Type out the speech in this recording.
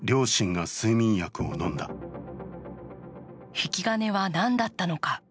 引き金は何だったのか。